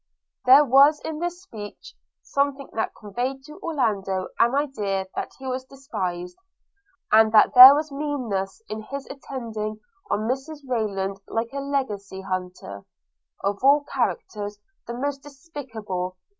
There was in this speech something that conveyed to Orlando an idea that he was despised; and that there was meanness in his attending on Mrs Rayland like a legacy hunter – of all characters the most despicable.